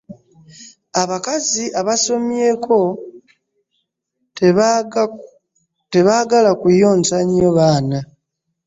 Abakazi abasomyeko tebaaga kuyonsa nnyo baana.